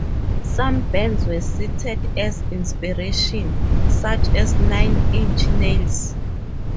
Some bands were cited as inspiration, such as Nine Inch Nails.